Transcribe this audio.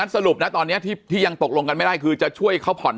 สรุปนะตอนนี้ที่ยังตกลงกันไม่ได้คือจะช่วยเขาผ่อน